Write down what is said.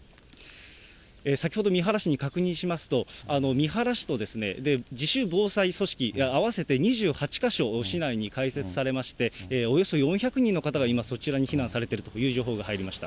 先ほど三原市に確認しますと、三原市と、自主防災組織が合わせて２８か所、市内に開設されまして、およそ４００人の方が今、そちらに避難されているという情報が入りました。